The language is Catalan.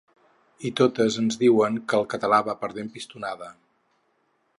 I totes ens diuen que el català va perdent pistonada.